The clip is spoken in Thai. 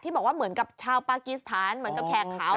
บอกว่าเหมือนกับชาวปากีสถานเหมือนกับแขกขาว